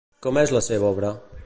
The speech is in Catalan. Com és la seva obra?